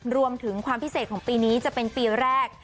รวมถึงความพิเศษของปีนี้จะเป็นปีแรก